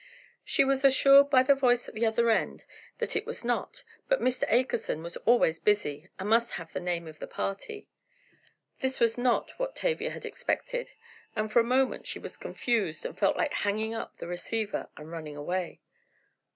She was assured by the voice at the other end that it was not, but Mr. Akerson was always busy, and must have the name of the party. This was not what Tavia had expected, and for a moment she was confused and felt like hanging up the receiver and running away.